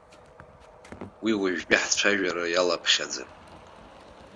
Уи уажәтәи ҳцәажәара иалаԥхьаӡам.